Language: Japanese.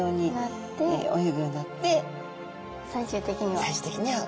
最終的には。